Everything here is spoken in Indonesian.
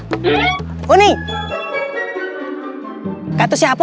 sepi begininya pada kemana